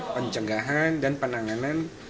pencenggahan dan penanganan